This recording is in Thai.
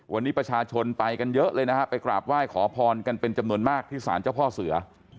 วันนี้ประชาชนไปกันเยอะเลยนะฮะไปกราบไหว้ขอพรกันเป็นจำนวนมากที่สารเจ้าพ่อเสือ